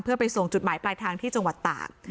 เพื่อไปส่งจุดหมายปลายทางที่จังหวัดตาก